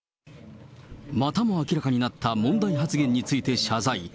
またも明らかになった問題発言について謝罪。